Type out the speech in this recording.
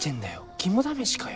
肝試しかよ。